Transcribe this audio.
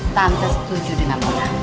tante setuju dengan mona